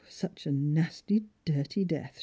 Such a nasty dirty death